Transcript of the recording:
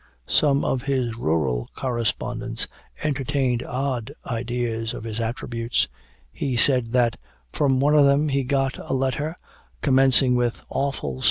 '" Some of his rural correspondents entertained odd ideas of his attributes. He said that "from one of them he got a letter commencing with 'Awful Sir!'"